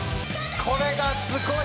「これがすごい！」